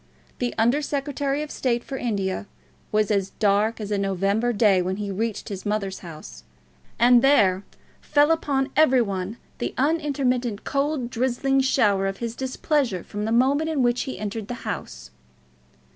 The Under Secretary of State for India was as dark as a November day when he reached his mother's house, and there fell upon every one the unintermittent cold drizzling shower of his displeasure from the moment in which he entered the house.